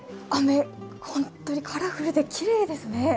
本当にカラフルできれいですね。